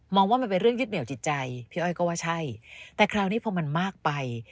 ว่ามันเป็นเรื่องยึดเหนียวจิตใจพี่อ้อยก็ว่าใช่แต่คราวนี้พอมันมากไป